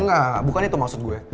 enggak bukan itu maksud gue